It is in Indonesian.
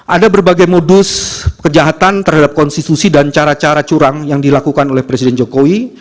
ada berbagai modus kejahatan terhadap konstitusi dan cara cara curang yang dilakukan oleh presiden jokowi